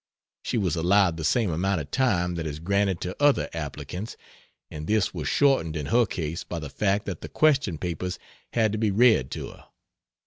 She was allowed the same amount of time that is granted to other applicants, and this was shortened in her case by the fact that the question papers had to be read to her.